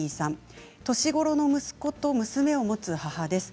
年頃の息子と娘を持つ母です。